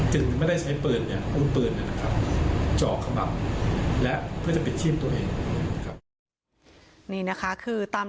จึงไม่ได้ใช้เปิลเนี่ยเครื่องคุณ